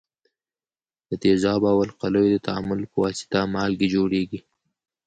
د تیزابو او القلیو د تعامل په واسطه مالګې جوړیږي.